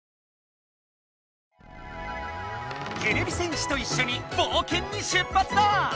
てれび戦士といっしょにぼうけんに出発だ！